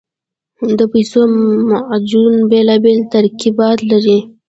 د پیسو معجون بېلابېل ترکیبات لري.